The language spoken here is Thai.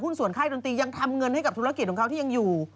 ส่วนค่ายดนตรียังทำเงินให้กับธุรกิจของเขาที่ยังอยู่